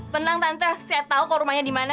benang tante saya tahu kau rumahnya dimana